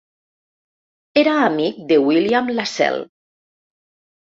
Era amic de William Lassell.